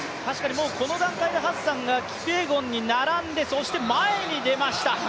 この段階でハッサンがキピエゴンに並んでそして前に出ました。